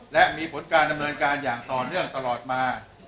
และมีผลการดำเนินการอย่างต่อเนื่องตลอดมา